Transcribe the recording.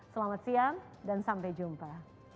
selamat siang dan sampai jumpa